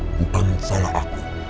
bukan salah aku